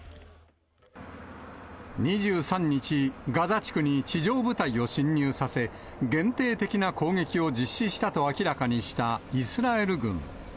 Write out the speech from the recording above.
２３日、ガザ地区に地上部隊を侵入させ、限定的な攻撃を実施したと明らかにしたイスラエル軍。